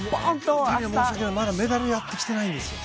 まだメダルやってきてないんですよ。